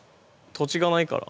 土地がないから。